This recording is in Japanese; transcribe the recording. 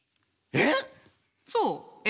えっ！？